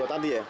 jam dua tadi ya